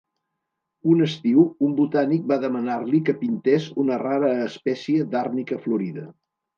Un estiu un botànic va demanar-li que pintés una rara espècie d'àrnica florida.